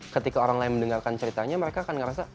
ketika orang lain mendengarkan ceritanya mereka akan ngerasa